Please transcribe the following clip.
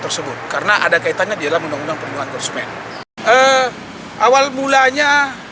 tersebut karena ada kaitannya di dalam undang undang perlindungan konsumen awal mulanya